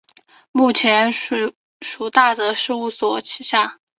目前隶属于大泽事务所旗下。